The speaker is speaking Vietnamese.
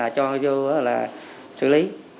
cho vô là xử lý